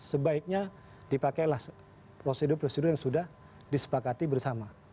sebaiknya dipakailah prosedur prosedur yang sudah disepakati bersama